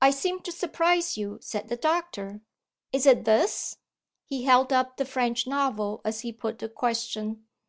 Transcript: "I seem to surprise you," said the doctor. "Is it this?" He held up the French novel as he put the question.